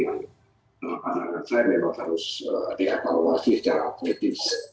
dan saya memang harus diavaluasi secara kritis